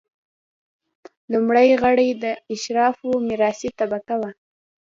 لومړي غړي د اشرافو میراثي طبقه وه.